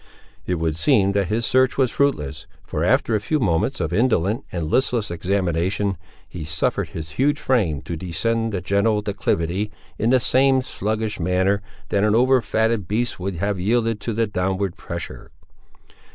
It would seem that his search was fruitless; for after a few moments of indolent and listless examination, he suffered his huge frame to descend the gentle declivity, in the same sluggish manner that an over fatted beast would have yielded to the downward pressure.